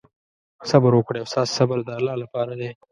صبر وکړئ او ستاسې صبر د الله لپاره دی.